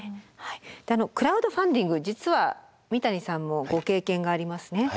クラウドファンディング実は三谷さんもご経験がありますね。